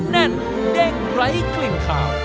แน่นแดงไร้เคลมขาว